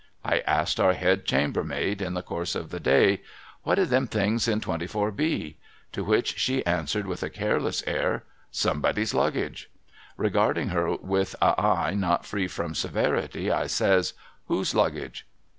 I asked our Head Chamber maid in the course of the day, ' What are them things in 24 B ?' To which she answered with a careless air, ' Somebody's Luggage.' Regarding her with a eye not free from severity, I says, ' Whose Luggage